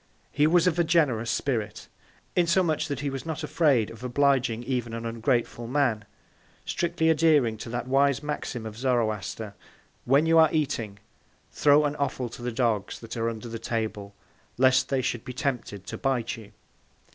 He was of a generous Spirit; insomuch, that he was not afraid of obliging even an ungrateful Man; strictly adhering to that wise Maxim of Zoroaster. _When you are eating, throw an Offal to the Dogs that are under the Table, lest they should be tempted to bite you.